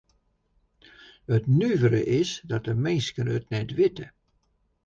It nuvere is dat de minsken it net witte.